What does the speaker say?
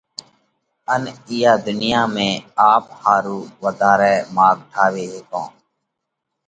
ان ايئا ڌُنيا ۾ آپ ۿارُو وڌارئہ ماڳ ٺاوي هيڪئه۔